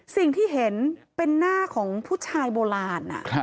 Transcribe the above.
สิ่งที่เห็นเป็นหน้าของผู้ชายโบราณ